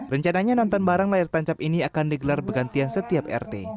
rencananya nonton bareng layar tancap ini akan digelar bergantian setiap rt